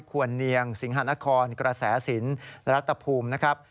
ควรเนียงสิงหานครกระแสสินรัตภูมินะครับ